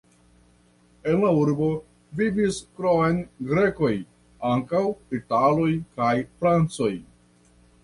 En la urbo vivis krom grekoj ankaŭ italoj kaj francoj.